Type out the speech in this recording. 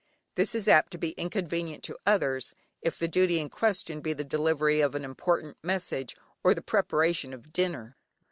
This is apt to be inconvenient to others, if the duty in question be the delivery of an important message, or the preparation of dinner.